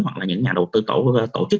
hoặc là những nhà đầu tư tổ chức